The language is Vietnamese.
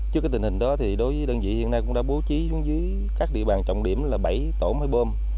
trước cái tình hình đó thì đối với đơn vị hiện nay cũng đã bố trí xuống dưới các địa bàn trọng điểm là bảy tổ máy bơm